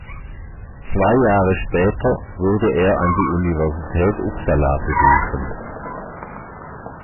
Zwei Jahre später wurde er an die Universität Uppsala berufen.